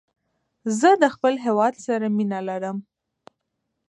زه د خپل هېواد سره مینه لرم.